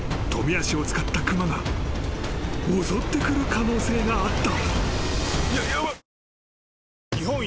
足を使った熊が襲ってくる可能性があった］